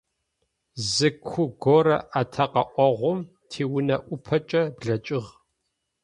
Зы ку горэ атэкъэӏогъум тиунэ ӏупэкӏэ блэкӏыгъ.